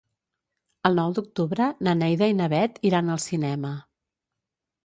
El nou d'octubre na Neida i na Bet iran al cinema.